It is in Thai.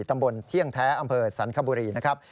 ตำบลเที่ยงแท้อำเภอสันคบุรีนะครับ